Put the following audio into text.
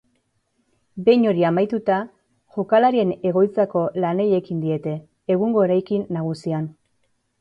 Behin hori amaituta, jokalarien egoitzako lanei ekin diete, egungo eraikin nagusian.